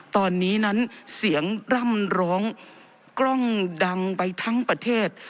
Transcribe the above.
ตอนนี้นั้นเสียงร่ำร้องกล้องดังไปทั้งประเทศ